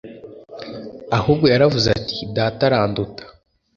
Ahubwo yaravuze ati Data aranduta